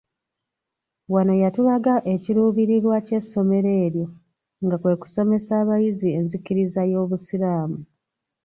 Wano yatulaga ekiruubirirwa ky'essomero eryo nga kwe kusomesa abayizi enzikiriza y'obusiraamu.